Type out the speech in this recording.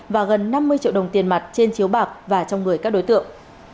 và gần năm mươi triệu đồng tiền mặt trên chiếu bạc và trong người các đối tượng